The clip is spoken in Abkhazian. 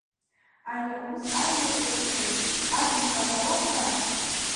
Ари аус аилыргара шәара шәымч ақәымхар ҟалап, сашьцәа!